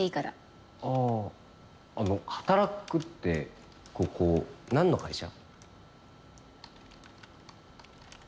あの働くってここなんの会社？